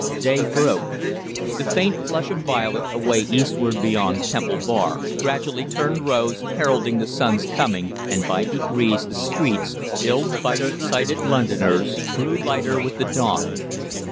Day broke. The faint flush of violet away eastward beyond Temple Bar gradually turned rose, heralding the sun's coming, and by degrees the streets, filled by excited Londoners, grew lighter with the dawn.